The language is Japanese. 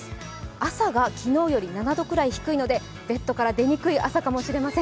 朝が昨日より７度くらい低いので、ベッドから出にくい朝かもしれません。